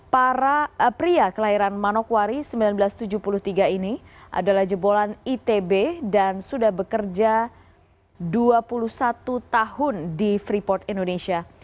para pria kelahiran manokwari seribu sembilan ratus tujuh puluh tiga ini adalah jebolan itb dan sudah bekerja dua puluh satu tahun di freeport indonesia